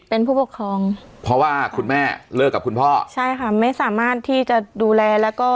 เป็นผู้ปกครองเพราะว่าคุณแม่เลิกกับคุณพ่อใช่ค่ะไม่สามารถที่จะดูแลแล้วก็